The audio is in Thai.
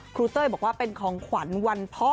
เต้ยบอกว่าเป็นของขวัญวันพ่อ